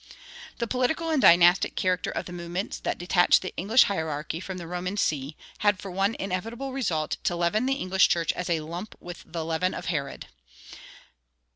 The political and dynastic character of the movements that detached the English hierarchy from the Roman see had for one inevitable result to leaven the English church as a lump with the leaven of Herod.